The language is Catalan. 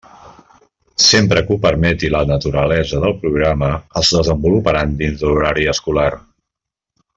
Sempre que ho permeti la naturalesa del programa, es desenvoluparan dins d'horari escolar.